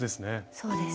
そうです。